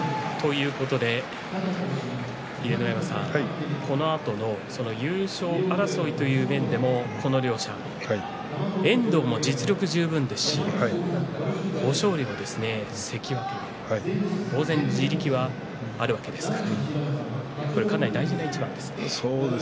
秀ノ山さん、このあとの優勝争いという面でも、この両者遠藤も実力十分ですし豊昇龍も関脇当然、地力はあるわけですからかなり大事な一番ですね。